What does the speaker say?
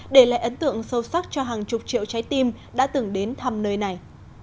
để lại ấn tượng sâu sắc cho hàng chục triệu trái tim đã từng đến thăm nơi này